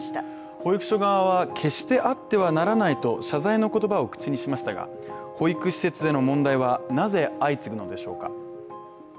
保育所側は決してあってはならないと謝罪の言葉を口にしましたが、保育施設での問題はなぜ相次ぐのでしょうか。